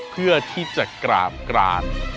เพื่อที่จะกราบกราน